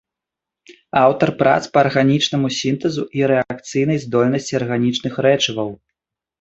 Аўтар прац па арганічнаму сінтэзу і рэакцыйнай здольнасці арганічных рэчываў.